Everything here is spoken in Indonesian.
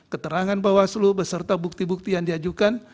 keterangan bawaslu beserta bukti bukti yang diajukan